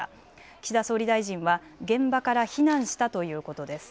岸田総理大臣は現場から避難したということです。